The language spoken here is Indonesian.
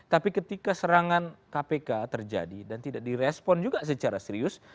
tapi ketika serangan kpk terjadi dan tidak direspon juga secara serius